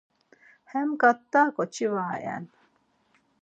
Hemǩata ǩoçi var iven.